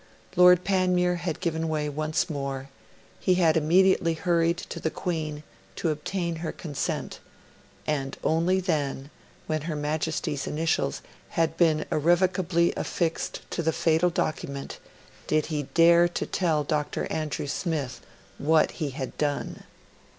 Lord Panmure had given way once more; he had immediately hurried to the Queen to obtain her consent; and only then, when Her Majesty's initials had been irrevocably affixed to the fatal document, did he dare to tell Dr. Andrew Smith what he had done.